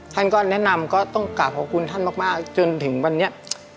ท่านก็แนะนำก็ต้องกลับขอบคุณท่านมากจนถึงวันนี้